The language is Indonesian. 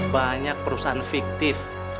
banyak perusahaan fiktif